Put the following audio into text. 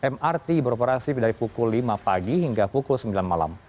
mrt beroperasi dari pukul lima pagi hingga pukul sembilan malam